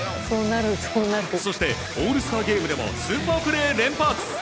そして、オールスターゲームでもスーパープレー連発！